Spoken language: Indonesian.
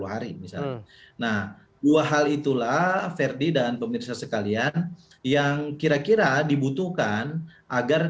sepuluh hari misalnya nah dua hal itulah ferdi dan pemirsa sekalian yang kira kira dibutuhkan agar